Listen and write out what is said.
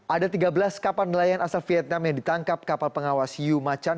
ada tiga belas kapal nelayan asal vietnam yang ditangkap kapal pengawas hieu ma chan